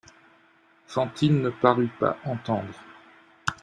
Fantine ne parut pas entendre.